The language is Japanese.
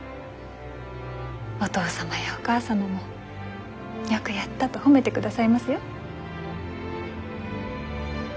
お義父様やお義母様も「よくやった」と褒めてくださいますよ。